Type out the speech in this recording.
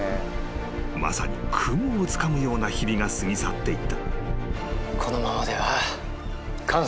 ［まさに雲をつかむような日々が過ぎ去っていった］